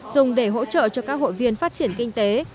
dùng để hỗ trợ cho các hội viên phát triển kinh tế